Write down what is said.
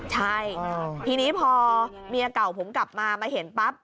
ใช่ทีนี้พอเมียเก่าผมกลับมามาเห็นปั๊บ